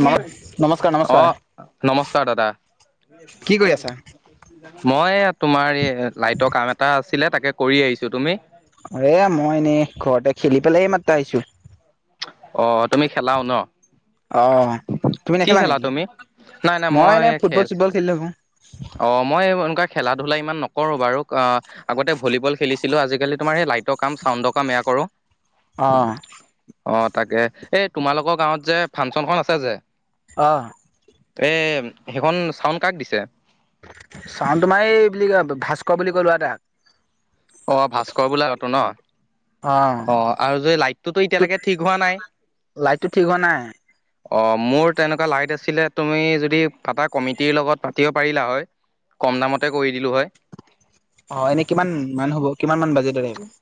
নম নমস্কাৰ নমস্কাৰ নমস্কাৰ দাদা কি কৰি আছা? মই তোমাৰ এই লাইটৰ কাম এটা আছিলে তাকে কৰি আহিছো তুমি এ মই এনেই ঘৰতে খেলি পেলাই মাত্ৰা আহিছো অ তুমি খেলাও ন অ'। তুমি কি নেখেলা খেলা নেকি? তুমি নাই নাই এনে মই ফুটবল খেল চুটবল খেলি থাকো অ মই খেলা ধূলা ইমান নকৰো বাৰু অ আগতে ভলীবল খেলিছিলো আজিকালি তোমাৰ এই লাইটৰ কাম চাউণ্ডৰ কাম এয়া কৰো আহ অ তাকে এই তোমালোকৰ গাঁৱত যে ফাংচনখন আছে যে অহ এ সেইখন চাউন কাক দিছে? চাউন তোমাৰ এই বুলি কয় ভাস্কৰ বুলি কোৱা লৰা এটাক। অঁ ভাস্কৰ বোলা কতো ন? অ আৰু যে লাইটটোতো এতিয়ালৈকে ঠিক হোৱা নাই? সেইটো ঠিক হোৱা নাই। অ মোৰ তেনেকুৱা লাইট আছিলে, তুমি যদি ফাতা কমিটিৰ লগত পাতিব পাৰিলা হয়। কম দামতে কৰি দিলো হয়। অ এনেই কিমান মান হ'ব, কিমান মান বাজেট?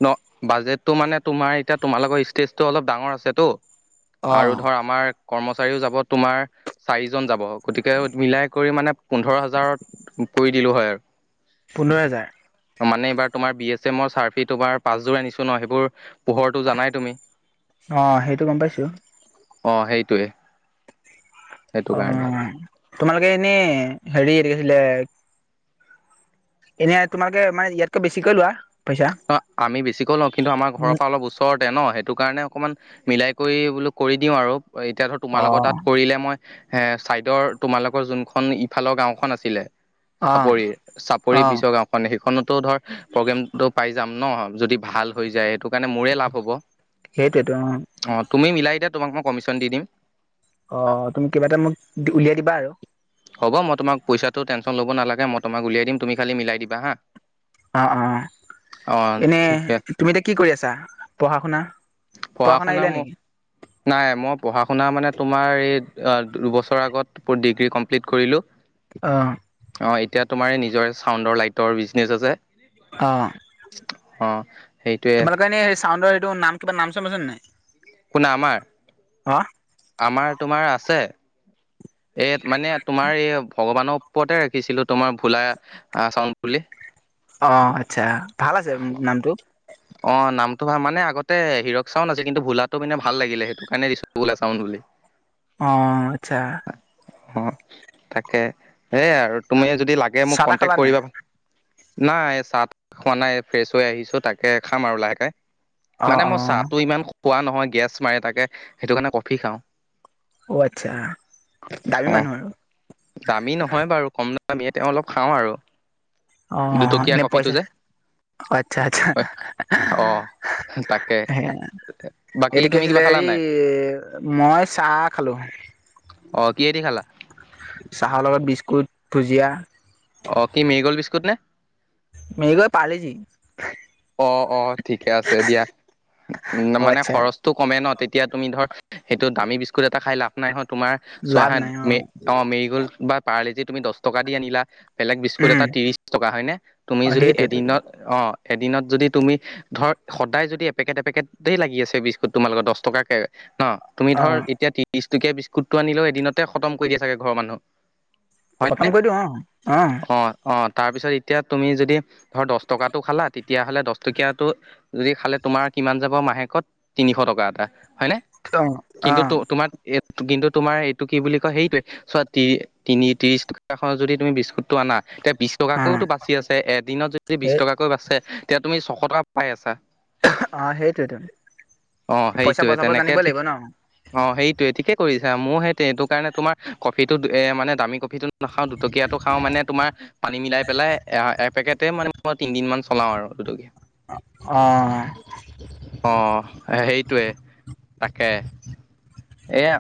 ন বাজেটটো মানে তোমাৰ এতিয়া তোমালোকৰ ষ্টেজটো অলপ ডাঙৰ আছেতো আৰু অ'। ধৰ আমাৰ কৰ্মচাৰীও যাব তোমাৰ, চাৰিজন যাব গতিকে মিলাই কৰি মানে পোন্ধৰ হাজাৰত কৰি দিলো হয় আৰু। পোন্ধৰ হেজাৰ। মানে এইবাৰ তোমাৰ বি এছ এমৰ চাৰ্ফি তোমাৰ পাছযোৰ আনিছো ন সেইবোৰ পোহৰটো জানাই তুমি অ সেইটো গম পাইছো। অ সেইটোয়ে। অ তোমালোকে এনেই হেৰি ৰিলে এনে তোমালোকে মানে ইয়াতকৈ বেছিকৈ লোৱা? পইচা। অ আমি বেছিকৈ লওঁ কিন্তু আমাৰ ঘৰৰ পৰা অলপ ওচৰত ন সেইটো কাৰণে অকমান মিলাই কৰি বোলো কৰি দিও আৰু এতিয়া ধৰ তোমাৰ লগত অ', তাত কৰিলে মই এ চাইডৰ তোমালোকৰ যোনখন ইফালৰ গাওখন আছিলে অ', চাপৰি, চাপৰি অ' পিছৰ গাওখনে সেইখনতো ধৰ প্ৰগ্ৰেমটো পাই ন যদি ভাল হৈ যায় সেইটো কাৰণে মোৰে লাভ হ'ব, অ। তুমি মিলাই এ দিয়া তোমাক মই কমিশ্যন দি দিম। অ তুমি কিবা এটা মোক উলিয়াই দিবা আৰু। হব' মই তোমাক পইচাটো টেনচন ল'ব নালাগে মই তোমাক উলিয়াই দিম তুমি খালি মিলাই দিবা হা? অ, অ এনে ঠিকে তুমি এতিয়া কি কৰি আছা? পঢ়া শুনা পঢ়া শুনা মোক নাই মই পঢ়া -শুনা মানে তোমাৰ এই দুবছৰৰ আগত ডিগ্ৰী কমপ্লিট কৰিলো। আহ। অ এতিয়া তোমাৰ নিজৰ চাউণ্ডৰ লাইটৰ বিজনেচ আছে। অ। অ। তোমালোকৰ এনেই চাউনডৰ এইটো নাম কিবা নাম আছে নাই? কোনা আমাৰ? অ আমাৰ তোমাৰ আছে এ মানে তোমাৰ এই ভগৱানৰ পতে ৰাখিছিলো তোমাৰ ভোলা আহ চাউল বুলি অ আচ্ছা, ভাল আছে নামটো। অ নামটো ভাল মানে আগতে হিৰক চাওন আছিল কিন্তু ভোলাটো মানে ভাল লাগিলে সেইটো কাৰণে দিছো ভোলা চাওন বুলি। [unintelligible] অ আচ্ছা। অ তাকে এই আৰু তুমি যদি লাগে মোক চাহ তাহ কন্টেক্ট খালা নাই কৰিবা। নাই চাহ খোৱা নাই ফ্ৰেছ হৈ আহিছো তাকে খাম আৰু লাহেকে। অ মানে অ মই চাহটো ইমান খোৱা নহয় গেছ মাৰে তাকে সেইটো কাৰণে কফি খাওঁ। অ আচ্ছা, দামী অ মানুহ আৰু। আমি তেওঁ অলপ খাওঁ আৰু অ দুটকীয়া এনে কফিটো পইচা যে আচ্ছা আচ্ছা। অ তাকে। বাকী এইটো কি তুমি কিবা আছিলে খালা হেৰি নাই মই চাহ খালোঁ। অ কিহেদি খালা? চাহৰ লগত বিস্কুট ভুজিয়া। অ কি মেৰিগ'ল্ড বিস্কুট নে মেৰিগ'ল্ড, পাৰলেজি অ অ ঠিকে আছে দিয়া। অ মানে আচ্ছা খৰচটো কমে ন তেতিয়া তুমি ধৰ সেইটো দামী বিস্কুট এটা খাই লাভ নাই হয় তোমাৰ চোৱা লাভ হা নাই অ মে অ মেৰিগ'ল্ড বা পাৰলেজি তুমি দছ টকা দি আনিলা বেলেগ বিস্কুট উম এটা ত্ৰিছ টকা হয়নে তুমি অ যদি সেইটোৱেতো এদিনত অ এদিনত যদি তুমি ধৰ সদায় যদি এপেকেট এপেকেটেই লাগি আছে বিস্কুট তোমাৰ লগত দছ টকাকে ন তুমি অ ধৰ এতিয়া ত্ৰিশ টকীয়া বিস্কুটটো আনিলেও এদিনতে খটম কৰি দিয়ে চাগে ঘৰৰ মানুহ হয় খতম নে। কৰি দিওঁ অ অ অ তাৰপিছত এতিয়া তুমি যদি ধৰ দছ টকাটো খালা তেতিয়াহ'লে দছটকীয়াটো যদি খালে তোমাৰ কিমান যাব মাহেকত তিনিশ টকা এটা হয়নে। অ অ কিন্তু তো তোমাৰ কিন্তু তোমাৰ এইটো কি বুলি কয় সেইটোৱে চোৱা তি তিনি ত্ৰিশ টকা যদি তুমি বিস্কুটটো আনা এতিয়া বিশ অ টকাকৈও টো বাচি আছে এদিনত যদি বিশ সেই টকাকৈ বাচে তেতিয়া তুমি ছশ টকা পাই আছা। অমহ, অ সেইটোৱে টো অ সেইটোৱে তেনেকে ঠিক অ সেইটোৱে ঠিকে কৰি ছা মোৰ সেইটোৱে এইটো কাৰণে তোমাৰ কফিটো মানে দামী কফিটো নাখাওঁ দুটকীয়া টো খাওঁ মানে তোমাৰ পানী মিলাই পেলাই এ এপেকেটে মানে মই তিন দিন মান চলাওঁ আৰু দুটকিয়া অহ অ সেইটোৱে তাকে এয়া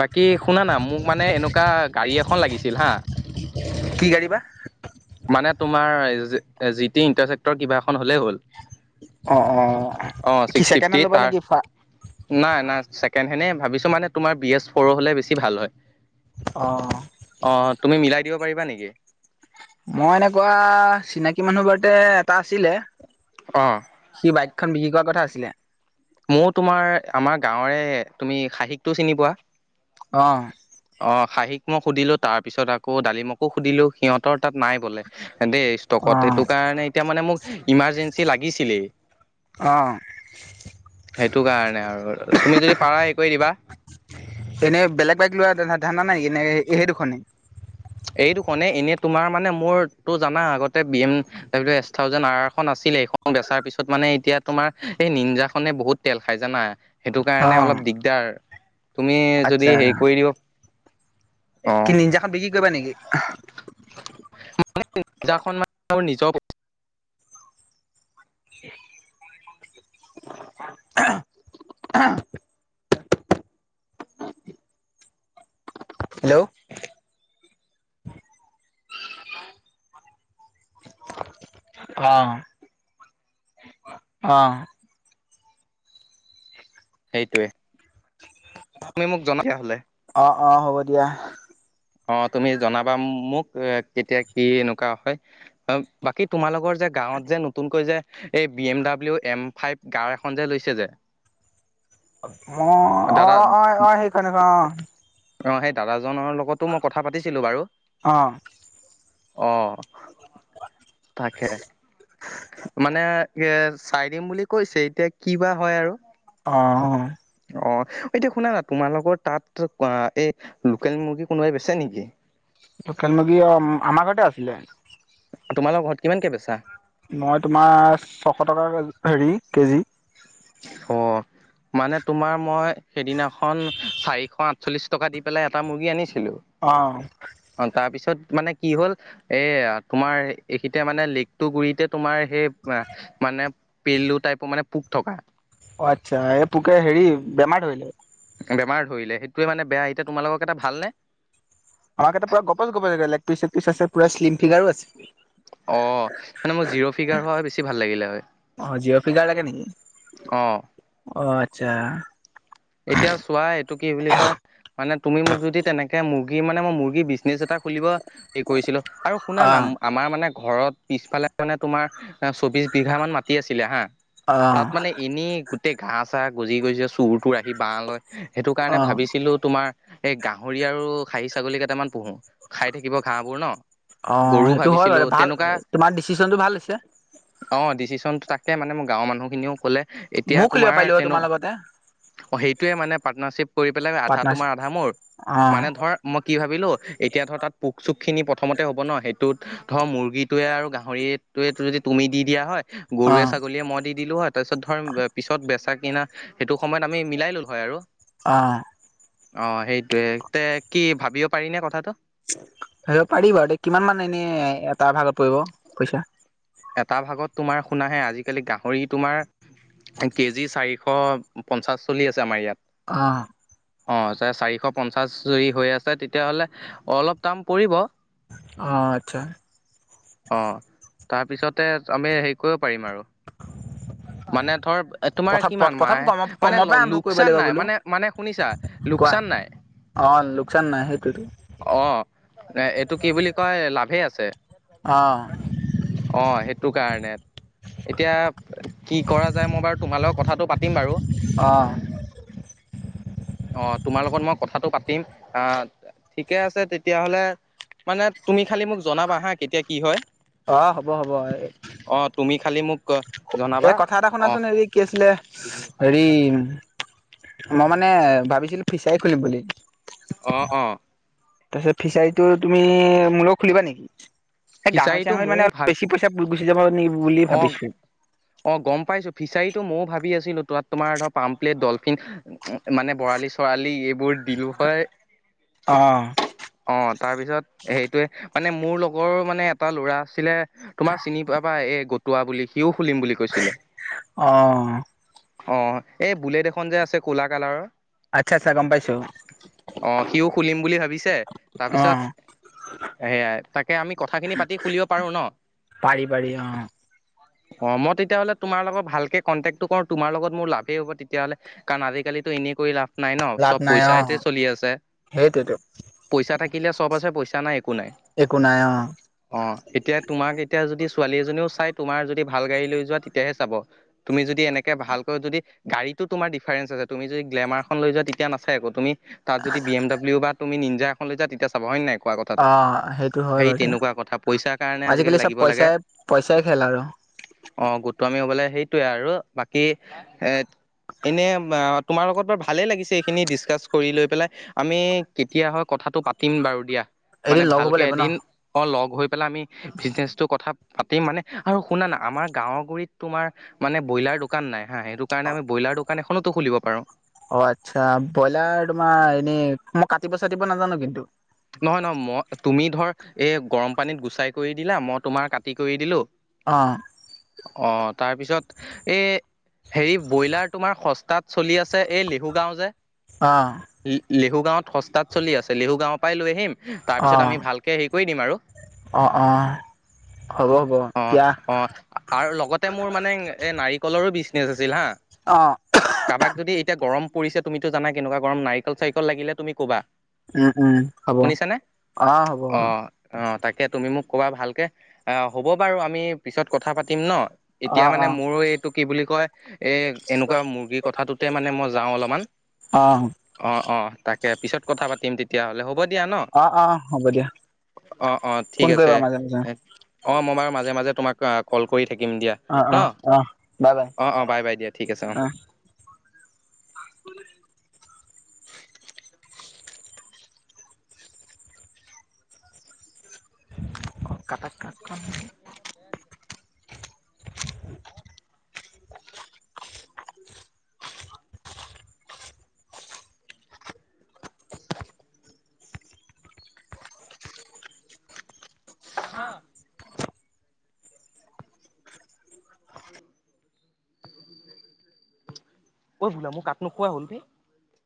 বাকী শুনানা মোক মানে এনেকুৱা গাড়ী এখন লাগিছিল হা কি গাড়ী বা মানে তোমাৰ এ জি টি ইন্টাৰচেক্টৰ কিবা এখন হ'লে হ'ল অ অ অ কি ছিক্স চেকেণ্ড ফিফটি হেণ্ড ল'বা তাৰ নেকি নাই নাই ছেকেণ্ড হেণ্ডে ভাবিছোঁ মানে তোমাৰ বি এছ ফ'ৰ হ'লে বেছি ভাল হয়। অ অ তুমি মিলাই দিব পাৰিবা নেকি মই এনেকুৱা চিনাকি মানুহ বোৰতে এটা আছিলে। অ সি বাইকখন বিক্ৰী কৰা কথা আছিলে। মোৰ তোমাৰ আমাৰ গাঁৱৰে তুমি খাহীক টো চিনি পোৱা। অহ খাহিক মই সুধিলোঁ তাৰপিছত আকৌ দালিমকো সুধিলোঁ সিহঁতৰ তাত নাই বোলে দেই অ ষ্টকত সেইটো কাৰণে এতিয়া মানে মোক ইমাৰজেঞ্চি লাগিছিলেই অহ সেইটো কাৰণে আৰু তুমি যদি পাৰা হেৰি কৰি দিবা। এনেই বেলেগ বাইক লোৱা ধা ধান্দা নাই নে সেই দুখনেই এই দুখনে এনেই তোমাৰ মানে মোৰ টো জানা আগতে বি এম ডব্লিউৰ এছ থাউজেণ্ড আৰ আৰ খন আছি ছিলে এইখন বেচাৰ পিছত মানে এতিয়া তোমাৰ এই নিঞ্জা খনে বহুত তেল খাই জানা। সেইটো অ কাৰণে অলপ দিগদাৰ তুমি যদি আচ্ছা হেৰি কৰি দিব অ কি নিঞ্জাখন বিক্ৰী কৰিবা নেকি, আহ নিঞ্জাখন মানে মোৰ নিজৰ আহহ আহহ হেল্ল' [unintelligible] অহ অহ সেইটোৱে তুমি মোক জনাই দিয়া হ'লে অ অ হ'ব দিয়া অ তুমি জনাবা মোক কেতিয়া কি এনেকুৱা হয় বাকী তোমাৰ লগৰ যে গাঁৱত যে নতুনকৈ যে এই B M W M five car এখন যে লৈছে যে অ অ দাদা অ অ সেইকাৰনেক অ সেই দাদাজনৰ লগতো মই কথা পাতিছিলো বাৰু অ অঁ তাকে মানে এ চাই দিম বুলি কৈছে এতিয়া কি বা হয় আৰু অ অ এতিয়া শুনা না তোমাল লগৰ তাত এই লোকেল মুৰ্গী কোনোবাই বেছে নেকি লোকেল মুৰ্গী অ আমাৰ ঘতে আছিলে তোমালোকৰ ঘৰত কিমানকে বেচা মই তোমাৰ ছশ টকা হেৰি কেজি অ মানে তোমাৰ মই সেইদিনাখন চাৰিশ আঠচল্লিশ টকা দি পেলাই এটা মুৰ্গী আনিছিলো অ তাৰপিছত তাৰিত মানে কি হ'ল এ তোমাৰ এইখিতে মানে লেকটো গুৰিতে তোমাৰ সেই মানে পলু টাইপৰ মানে পোক থকা অ আচ্ছা এই পোকে হেৰি বেমাৰ ধৰিলে বেমাৰ ধৰিলে সেইটোৱে মানে বেয়া এতিয়া তোমালক এটা ভালনে আমাৰ কেতা পুৰা গোপাল গোপাল লেগ পিচ চেগ পিচ আছে পৰা শ্লিম ফিগাৰো আছে অ মানে মোৰ জিৰ' ফিগাৰ হোৱা হয় বেছি ভাল লাগিলে হয় অ জিঅ' ফিগাৰ লাগে নেকি অ যা এতিয়া চোৱা এইটো কি বুলি কয় মানে তুমি মোক যদি তেনেকে মুৰ্গী মানে মই মুৰ্গী বিজনেচ এটা খুলিব এই কৰিছিলো আৰু শুনা অ না আমাৰ মানে ঘৰত পিছফালে মানে তোমাৰ চৌবিশ বিঘা মান মাটি আছিলে হা অ তাত মানে এনে গোটেই ঘা চা গজি গজি চুৰটো আহি বাঁহ লয় সেইটো অ কাৰণে ভাবিছিলোঁ তোমাৰ এই গাহৰি আৰু খাহী ছাগলী কেইটামান পোহো খাই থাকিব ঘহবোৰ ন অ গৰু সেইটো হয় ভাবিছিলো বাৰু ভাল তেনেকুৱা তোমাৰ ডিচিশনটো ভাল হৈছে অ ডিচিশন তাকে মানে মই গাঁৱৰ মানুহখিনিও কলে এতিয়া ময়ো খুলিব তোমাৰ পাৰিলো হয় তেনে তোমাৰ লগতে অ সেইটোৱে মানে পাৰ্টনাৰশ্বিপ কৰি পেলাই আধা তোমাৰ পাৰ্টনাৰশ্বিপ আধা মোৰ মানে অ ধৰ মই কি ভাবিলো এতিয়া ধৰ তাত পোক চোক খিনি প্ৰথমতে হ'ব ন সেইটোত ধৰ মুৰ্গীটোৱে আৰু গাহৰিটোৱেটো যদি তুমি দি দিয়া হয় গৰুৱে ছাগলীয়ে মই দি দিলো হয় তাৰপিছত ধৰ পিছত বেচা কিনা সেইটো সময়ত আমি মিলাই ল'লো হয় আৰু আহ অ সেইটোৱে তে কি ভাবিব পাৰি নে কথাটো আহব পাৰিব আৰু কিমান মান এনেই এটা ভাগত পৰিব পইচা এটা ভাগত তোমাৰ শুনাহে আজি কালি গাহৰি তোমাৰ কেজি চাৰিশ পঞ্চাশ চলি আছে আমাৰ ইয়াত অঁ অ যে চাৰিশ পঞ্চাশ যদি হৈ আছে তেতিয়াহ'লে অলপ দাম পৰিব আহ আচ্ছা। তাৰ পিছতে আমি হেৰি কৰিব পাৰিম আৰু। [unintelligible] মানে ধৰ তোমাৰ প্ৰথম কিমান প্ৰথম কম মাহে মানে কমৰ পৰা আৰম্ভ কৰিব লোকচান লাগিব নাই বোলো মানে মানে শুনিছা কোৱা লোকচান নাই অঁ লোককচান নাই সেইটোতো অ এ এইটো কি বুলি কয় লাভেই আছে অঁ অঁ সেইটো কাৰণে এতিয়া কি কৰা যায় মই বাৰু তোমাৰ লগত কথাটো পাতিম বাৰু অঁ অঁ তোমাৰ লগত মই কথাটো পাতিম আহ ঠিকে আছে তেতিয়াহলে মানে তুমি খালি মোক জনাবা হা কেতিয়া কি হয় অঁ হ'ব হ'ব অ তুমি খালি মোক এ জনাবা কথা এটা অ শুনাচোন হেৰি কি আছিলে হেৰি মই মানে ভাবিছিলো ফিচাই খুলিম বুলি। অ অ তাৰপিছত ফিচাৰীটো তুমি মুলগত খুলিবা নেকি সেই গাহৰি ফিচাৰীটো চাহৰি মানে অলপ বেছি পইচা গুচি যাব নি অঁ অঁ গম পাইছো ফিচাৰীত টো মইয়ো ভাবি আছিলো তাত তোমাৰ ধৰ পামপ্লেট, ডলফিন মানে বৰালি চৰালি এই বোৰ দিলোঁ হয় অঁ অঁ তাৰ পিছত সেইটোয়ে মানে মোৰ লগৰ মানে এটা ল'ৰা আছিলে তোমাৰ চিনি প বা এ গটোৱা বুলি সিও খুলিম বুলি কৈছিলে অঁ অঁ এই বুলেট এখন যে আছে কোলা কালাৰৰ আচ্ছা আচ্ছা গম পাইছো। অঁ সিওঁ খুলিম বুলি ভাবিছে তাৰপিছত অঁ সেয়াই তাকে আমি কথাখিনি পাতি খুলিব পাৰো ন। পাৰি পাৰি অঁ অঁ মই তেতিয়াহ'লে তোমাৰ লগত ভালকে কণ্টেক টো কৰো তোমাৰ লগত মোৰ লাভেই হ'ব তেতিয়াহ'লে কাৰণ আজি কালি টো এনেই কৰি লাভ নাই ন লাভ চব নাই অঁ পইচাতে চলি আছে সেইটোৱেতো পইচা থাকিলে চব আছে পইচা নাই। একো নাই একো নাই অ অঁ এতিয়া তোমাক এতিয়া যদি ছোৱালী এজনিও তোমাৰ যদি ভাল গাড়ী লৈ যোৱা তেতিয়াহে চাব তুমি যদি এনেকে ভাল কৈও যদি গাড়ী তো তোমাৰ ডিফাৰেঞ্চ আছে তুমি যদি গ্লেমাৰখন লৈ যোৱা তেতিয়া নাচাই আকৌ তুমি তাত যদি বি এম ডাব্লিউ বা তুমি নি্নজা এখন লৈ যোৱা তেতিয়া চাব হয় নাই কোৱা কথাটো অঁ সেইটো হয় সেই বাৰু তেনেকুৱা কথা দিয়া পইচাৰ কাৰণে আজিকালি চব লাগিব লাগে পইচাই পইচা চাই খেলা আৰু তুমি হবলে সেইটোয়ে আৰু বাকী এট এনে বা তোমাৰ লগত বাৰু ভালে লাগিছে এইখিনি ডিচকাচ কৰি লৈ পেলাই আমি কেতিয়া হয় কথা কথাতো পাতিম বাৰু দিয়া। মানে এদিন লগ ভাল হ'ব কে লাগিব ন এদিন অ লগ হৈ পেলাই আমি বিজনেচটোৰ কথা পাতিম মানে আৰু শুনা না আমাৰ গাঁৱ গুৰিত তোমাৰ মানে ব্ৰইলাৰ দোকান নাই হা সেইটো কাৰণে আমি ব্ৰইলাৰ দোকান দোকান এখনতো খুলিব পাৰোঁ। অ আচ্ছা ব্ৰইলাৰ তোমাৰ এনে মই কাটিব চাটিব নাজানো কিন্তু। নহয় নহয় মই তুমি ধৰ এই গৰম পানীত গুচাই কৰি দিলা মই তোমাৰ কাটি কৰি দিলো অ অ তাৰপিছত এই হেৰি ব্ৰইলাৰ তোমাৰ সস্তাত চলি আছে এই লিহু গাওঁ যে আহ লিহু গাঁৱত সস্তাত চলি আছে লিহু গাঁৱৰ পৰাই লৈ আহিম তাৰপিছত আমি ভালকে হেৰি কৰি দিম আৰু। অঁ অ হ'ব হ'ব অ এতিয়া অ আৰু লগতে মোৰ মানে এ নাৰি কলৰো বিজনেচ আছিল হা অ কাবাক যদি এতিয়া গৰম পৰিছে তুমিতো জানা কেনেকুৱা গৰম নাৰিকল চাৰিকল লাগিলে তুমি ক'বা উম উম হ'ব শুনিছা নে হ'ব অ হ'ব অ তাকে কে তুমি মোক কবা ভালকে হ'ব বাৰু আমি পিছত কথা পাতিম ন অ এতিয়া মানে অ মোৰ এইটো কি বুলি কয় এ এনেকুৱা মুৰ্গীৰ কথাটোতে এতিয়া মানে মই যাওঁ অলমান অ অ অ তাকে পিছত কথা পাতিম তে তেতিয়াহ'লে হ'ব দিয়া ন। অ অ হ'ব দিয়া অ অ ঠিক ফোন আছে কৰিবা মাজে মাজে অ মই বাৰু মাজে মাজে তোমাক কল কৰি থাকিম দিয়া অ ন অ অ বাই বাই অঁ অঁ বাই বাই দিয়া ঠিক আছে অঁ অ [inaudible] কটাক কাকখন [inaudible] আহ আ ঐ বোলা মোক কাক নোখোৱা হ'ল দেই।